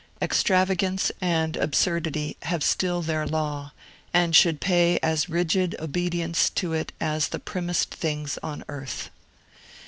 Extravagance and absurdity have still their law, and should pay as rigid obedience to it as the primmest things on earth.